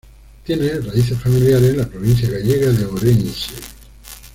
Tiene raíces familiares en la provincia gallega de Orense.